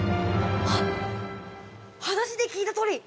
話で聞いたとおり。